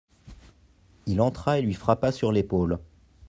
Il entra et lui frappa sur l'épaule.